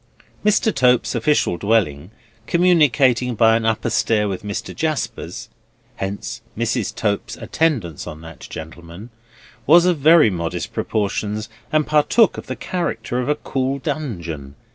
Mr. Tope's official dwelling, communicating by an upper stair with Mr. Jasper's (hence Mrs. Tope's attendance on that gentleman), was of very modest proportions, and partook of the character of a cool dungeon.